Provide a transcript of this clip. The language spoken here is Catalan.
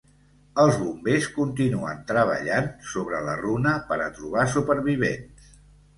Els bombers continuen treballant sobre la runa per a trobar supervivents.